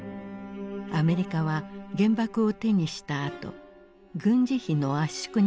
アメリカは原爆を手にしたあと軍事費の圧縮に努めていた。